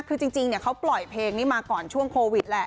คือจริงเขาปล่อยเพลงนี้มาก่อนช่วงโควิดแหละ